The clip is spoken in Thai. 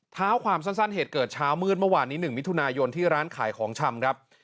เท้าความสั้นเหตุเกิดเช้ามืดเมื่อวานนี้๑มิถุนายนที่ร้านขายของชำครับ